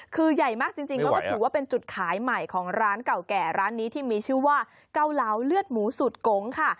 คือใหญ่มากจริงแล้วก็ถือว่าเป็นจุดขายใหม่ของร้านเก่าแก่ร้านนี้ที่มีชื่อว่าเกาเหลาเลือดหมูสูตรโกงค่ะ